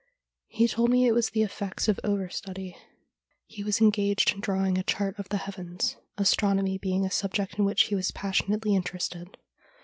He told me it was the effects of over study — he was engaged in drawing a chart of the heavens, astronomy being a subject in which he was passionately interested.